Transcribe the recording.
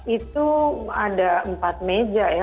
itu ada empat meja ya